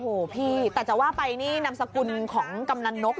โอ้โหพี่แต่จะว่าไปนี่นามสกุลของกำนันนก